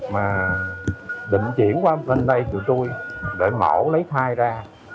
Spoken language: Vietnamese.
mà định chuyển qua bên đây tụi tôi để mẫu lấy thai ra